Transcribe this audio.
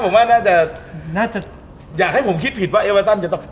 ผมว่าน่าจะน่าจะอยากให้ผมคิดผิดว่าเอเวอร์ตันจะต้อง